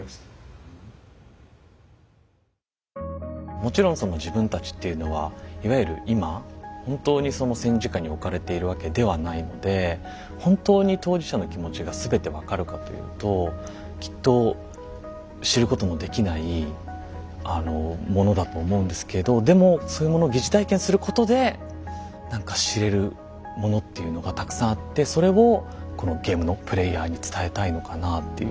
もちろんその自分たちっていうのはいわゆる今本当にその戦時下に置かれているわけではないので本当に当事者の気持ちが全て分かるかというときっと知ることもできないものだと思うんですけどでもそういうものを疑似体験することで何か知れるものっていうのがたくさんあってそれをこのゲームのプレイヤーに伝えたいのかなぁっていう。